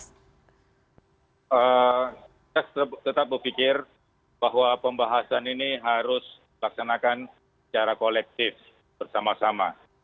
kita tetap berpikir bahwa pembahasan ini harus dilaksanakan secara kolektif bersama sama